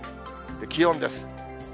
気温です。